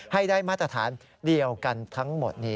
ให้ได้มาตรฐานเดียวกันทั้งหมดนี้